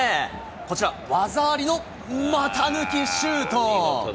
こちら、技ありの股抜きシュート。